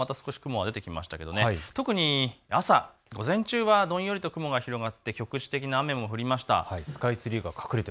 今は少し雲が出てきましたけれども特に朝、午前中はどんよりと雲が広がってきて局地的な雨も降りました。